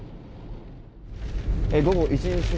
午後１時過ぎ。